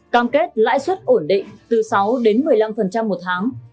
cam kết lãi suất ổn định từ sáu đến một mươi năm một tháng